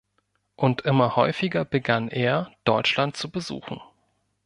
Und immer häufiger begann er, Deutschland zu besuchen.